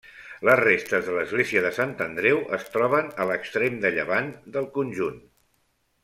Les restes de l'església de Sant Andreu es troben a l'extrem de llevant del conjunt.